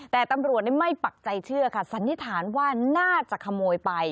แต่ตำรวจไม่ปักใจเชื่อค่ะสันนิษฐานว่าน่าจะขโมยไป